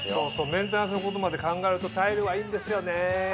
メンテナンスのことまで考えるとタイルはいいんですよね。